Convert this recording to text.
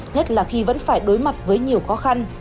nhất là khi vẫn phải đối mặt với nhiều khó khăn